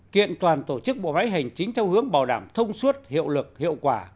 kiện toàn tổ chức bộ máy hành chính theo hướng bảo đảm thông suốt hiệu lực hiệu quả